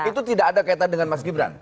itu tidak ada kata dengan mas gibrans